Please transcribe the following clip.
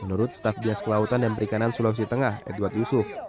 menurut staf dias kelautan dan perikanan sulawesi tengah edward yusuf